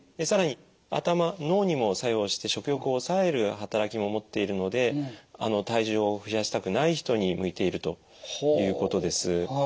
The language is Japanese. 更に頭脳にも作用して食欲を抑える働きも持っているので体重を増やしたくない人に向いているということです。